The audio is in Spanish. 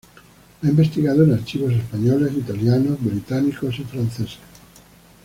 Ha investigado en archivos españoles, italianos, británicos y franceses.